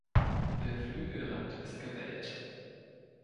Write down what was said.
Der Flügelrand ist gewellt.